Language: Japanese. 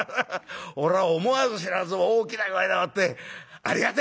俺は思わず知らずも大きな声でもって『ありがてえ！』」。